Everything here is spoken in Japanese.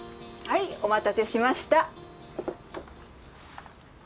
はいお待たせしました。